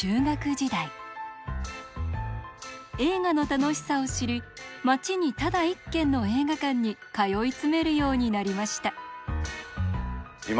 映画の楽しさを知り町にただ一軒の映画館に通い詰めるようになりました。